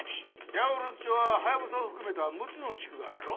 八百万町はハヤブサを含めた６つの地区があるやろ。